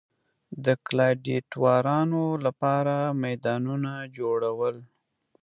د ګلاډیټورانو لپاره میدانونه جوړول.